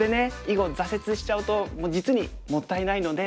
囲碁挫折しちゃうと実にもったいないので今はね